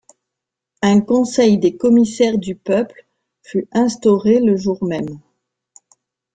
Un Conseil des commissaires du peuple fut instauré le jour même.